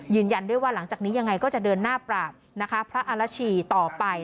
ยืนยันด้วยว่าหลังจากนี้ยังไงก็จะเดินหน้าปราบนะคะพระอารชีต่อไป